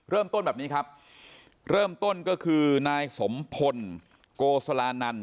เริ่มต้นแบบนี้ครับเริ่มต้นก็คือนายสมพลโกสลานัน